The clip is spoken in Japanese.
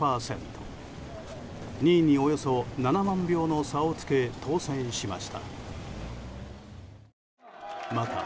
２位におよそ７万票の差をつけ当選しました。